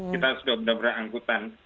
kita sudah benar benar angkutan